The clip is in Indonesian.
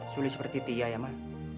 suli seperti tia ya mak